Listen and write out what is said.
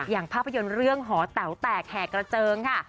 อย่างภาพยนตร์เรื่องหอแต๋วแตกแห่กระเจิงค่ะ